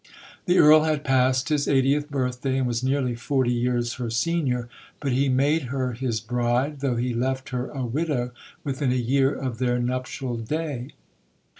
The Earl had passed his eightieth birthday, and was nearly forty years her senior; but he made her his bride, though he left her a widow within a year of their nuptial day.